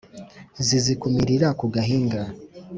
Zizikumirira ku gahinga